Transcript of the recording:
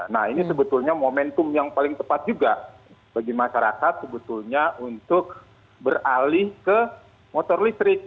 nah ini sebetulnya momentum yang paling tepat juga bagi masyarakat sebetulnya untuk beralih ke motor listrik